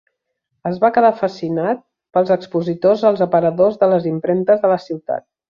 Es va quedar fascinat pels expositors als aparadors de les impremtes de la ciutat.